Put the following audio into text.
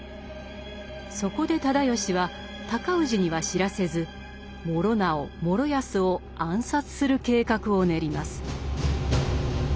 そこで直義は尊氏には知らせず師直・師泰を暗殺する計画を練ります。